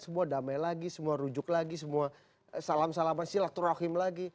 semua damai lagi semua rujuk lagi semua salam salaman silaturahim lagi